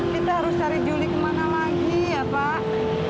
kita harus cari juli kemana lagi ya pak